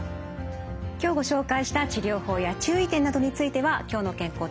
今日ご紹介した治療法や注意点などについては「きょうの健康」